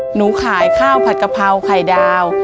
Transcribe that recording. หนูขายข้าวผัดกะเพราไข่ดาว